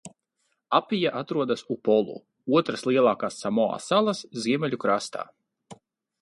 Apija atrodas Upolu, otras lielākās Samoa salas, ziemeļu krastā.